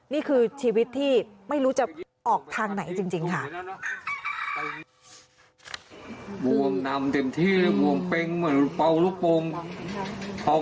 นี่คือชีวิตที่ไม่รู้จะออกทางไหนจริงค่ะ